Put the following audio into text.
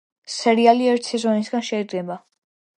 სერიალი ერთი სეზონისგან შედგება.